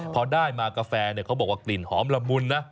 พอได้มากาแฟเขาบอกว่ากลิ่นหอมละมุนนะ